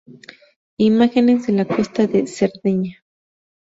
Imágenes de la costa de Cerdeña